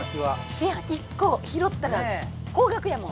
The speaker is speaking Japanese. せや１個拾ったら高額やもん。